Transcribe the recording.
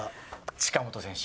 近本選手。